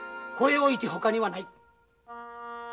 これをおいてほかにはない。